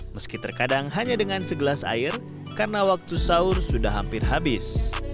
meski terkadang hanya dengan segelas air karena waktu sahur sudah hampir habis